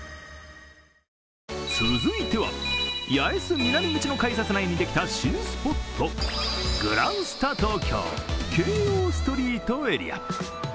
続いては、八重洲南口の改札内にできた新スポット、グランスタ東京京葉ストリートエリア。